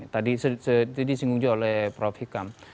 tadi disinggung juga oleh prof hikam